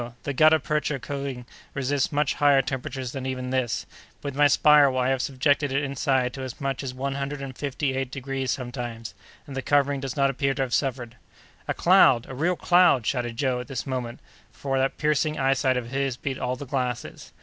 the gutta percha coating resists much higher temperatures than even this. With my spiral I have subjected it inside to as much as one hundred and fifty eight degrees sometimes, and the covering does not appear to have suffered." "A cloud! a real cloud!" shouted Joe at this moment, for that piercing eyesight of his beat all the glasses.